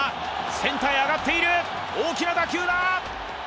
センターへ上がっている大きな打球だ！